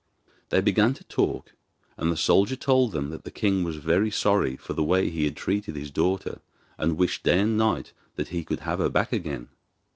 They began to talk, and the soldier told them that the king was very sorry for the way he had treated his daughter, and wished day and night that he could have her back again.